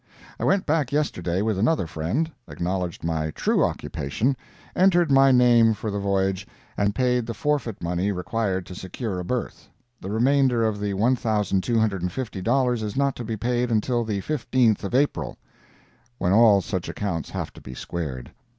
I went back yesterday with another friend, acknowledged my true occupation, entered my name for the voyage and paid the forfeit money required to secure a berth—the remainder of the $1,250 is not to be paid till the 15th of April, when all such accounts have to be squared.